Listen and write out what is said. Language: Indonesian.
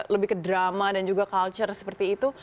lebih ke drama dan juga culture seperti itu